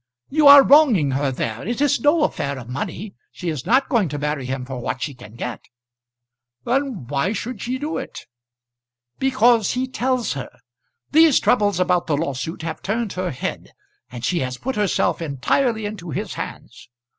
"You are wronging her there. It is no affair of money. She is not going to marry him for what she can get." "Then why should she do it?" "Because he tells her. These troubles about the lawsuit have turned her head, and she has put herself entirely into his hands.